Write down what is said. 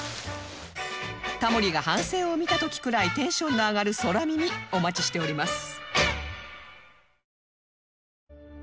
タモリが帆船を見た時くらいテンションの上がる空耳お待ちしております